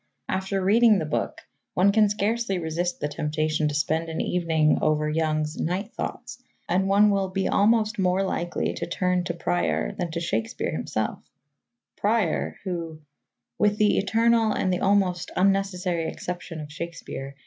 After reading the book, one can scarcely resist the temptation to spend an evening over Young's Night Thoughts and one will be almost more likely to turn to Prior than to Shakespeare himself Prior who, "with the eternal and almost unnecessary exception of Shakespeare